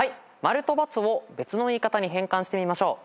○と×を別の言い方に変換してみましょう。